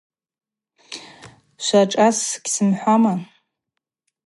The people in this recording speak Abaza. Швашӏас гьсымхӏвама.